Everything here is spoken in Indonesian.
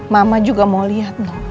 mama juga mau liat noh